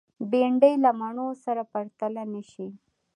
بېنډۍ له مڼو سره پرتله نشي